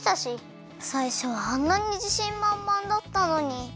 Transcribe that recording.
さいしょはあんなにじしんまんまんだったのに。